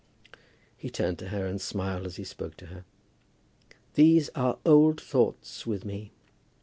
He turned to her, and smiled as he spoke to her. "These are old thoughts with me.